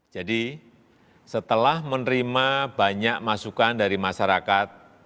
jadi setelah menerima banyak masukan dari masyarakat